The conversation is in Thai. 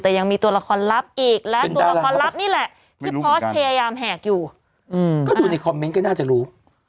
แต่ยังมีตัวละครลับอีกและตัวละครลับนี่แหละที่พอสพยายามแหกอยู่ก็ดูในคอมเมนต์ก็น่าจะรู้